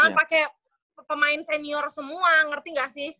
jangan pakai pemain senior semua ngerti gak sih